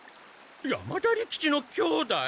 山田利吉の兄弟？